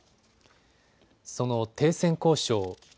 その停戦交渉。